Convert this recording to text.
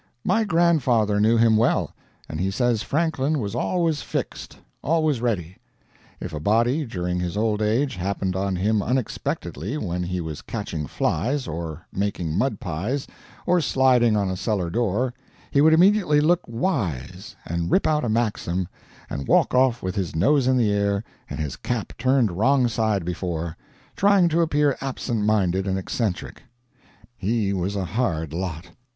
My grandfather knew him well, and he says Franklin was always fixed always ready. If a body, during his old age, happened on him unexpectedly when he was catching flies, or making mud pies, or sliding on a cellar door, he would immediately look wise, and rip out a maxim, and walk off with his nose in the air and his cap turned wrong side before, trying to appear absent minded and eccentric. He was a hard lot.